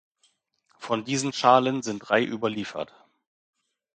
Von diesen Schalen sind drei überliefert.